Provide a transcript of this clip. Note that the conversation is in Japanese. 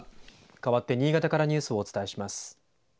かわって新潟からニュースをお伝えします。